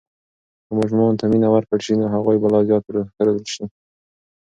که ماشومانو ته مینه ورکړل سي، نو هغوی به لا زیات ښه روزل سي.